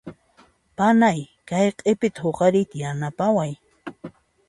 Panay kay q'ipita huqariyta yanapaway.